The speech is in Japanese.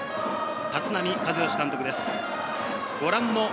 立浪和義監督です。